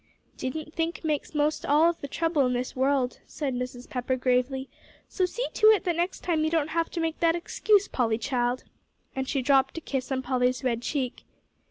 "Didn't think makes most all of the trouble in this world," said Mrs. Pepper, gravely; "so see to it that next time you don't have to make that excuse, Polly child," and she dropped a kiss on Polly's red cheek.